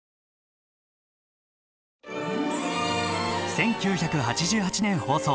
１９８８年放送。